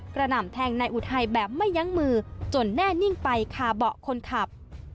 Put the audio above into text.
หน่ำแทงนายอุทัยแบบไม่ยั้งมือจนแน่นิ่งไปคาเบาะคนขับ